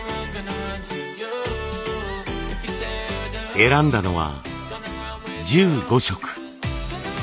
選んだのは１５色。